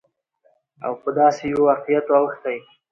او دا په داسې يوه واقعيت اوښتى،